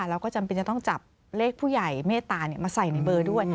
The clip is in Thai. แล้วก็จำเป็นจะต้องจับเลขผู้ใหญ่เมตตามาใส่ในเบอร์ด้วย